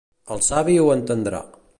El savi ho entendrà.